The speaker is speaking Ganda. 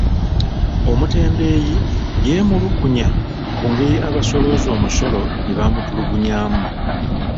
Omutembeeyi yeemulugunya ku ngeri abasoolooza omusolo gye bamutulugunyaamu.